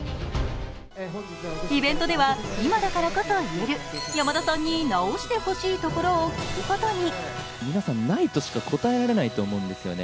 イベントでは今だからこそいえる山田さんに直してほしいところを聞くことに。